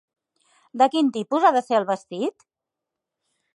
De quin tipus ha de ser el vestit?